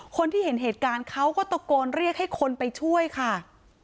คนที่เห็นเหตุการณ์เขาก็ตะโกนเรียกให้คนไปช่วยค่ะ